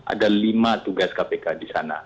ada lima tugas kpk di sana